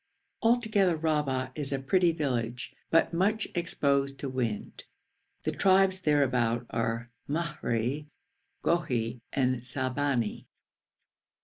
Altogether Rahba is a pretty village, but much exposed to wind. The tribes thereabout are Mahri, Gohi, and Salbani.